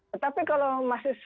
tetapi kalau masih